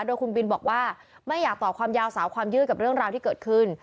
โดยคุณบินบอกว่าไม่อยากตอบความยาวสาวความยืดกับเรื่องราวที่เกิดขึ้น